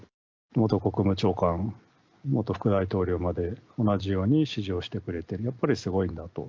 元国務長官、元副大統領まで、同じように支持をしてくれている、やっぱりすごいんだと。